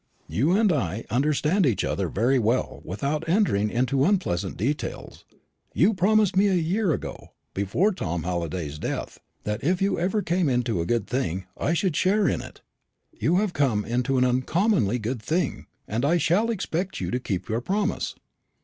"You and I understand each other very well without entering into unpleasant details. You promised me a year ago before Tom Halliday's death that if you ever came into a good thing, I should share in it. You have come into an uncommonly good thing, and I shall expect you to keep your promise."